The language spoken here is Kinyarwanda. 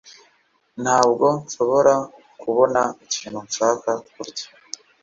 Ntabwo nshobora kubona ikintu nshaka kurya